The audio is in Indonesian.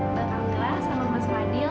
mbak amila sama mas fadil